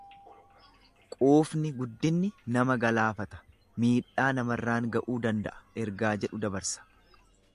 Quufni guddinni nama galaafata, miidhaa namarraan ga'uu danda'a ergaa jedhu dabarsa.